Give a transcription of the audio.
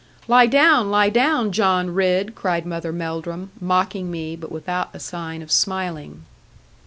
'Lie down, lie down, John Ridd!' cried Mother Melldrum, mocking me, but without a sign of smiling.